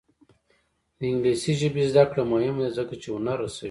د انګلیسي ژبې زده کړه مهمه ده ځکه چې هنر رسوي.